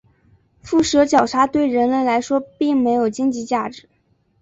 腹蛇角鲨对人类来说并没有经济价值。